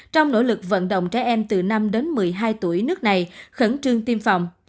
trong nỗ lực vận động trẻ em từ năm đến một mươi hai tuổi nước này khẩn trương tiêm phòng